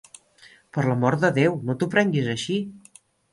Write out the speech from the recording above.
Per l'amor de Déu, no t'ho prenguis així!